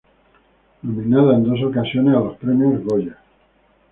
Nominada en dos ocasiones a los Premios Goya.